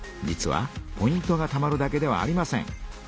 実はポイントがたまるだけではありません。